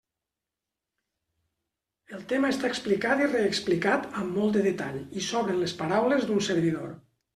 El tema està explicat i reexplicat amb molt de detall i sobren les paraules d'un servidor.